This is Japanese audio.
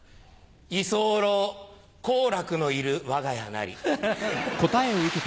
居候好楽のいる我が家なり。